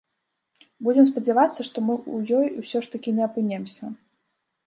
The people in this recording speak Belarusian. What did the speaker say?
Будзем спадзявацца, што мы ў ёй усё ж такі не апынёмся.